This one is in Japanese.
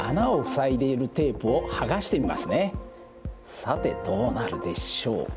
さてどうなるでしょう？